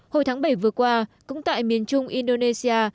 hồi tháng bảy vừa qua cũng tại miền trung indonesia